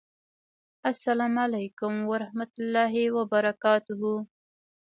اسلام اعلیکم ورحمت الله وبرکاته